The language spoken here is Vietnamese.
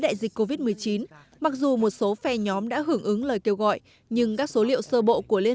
đại dịch covid một mươi chín mặc dù một số phe nhóm đã hưởng ứng lời kêu gọi nhưng các số liệu sơ bộ của liên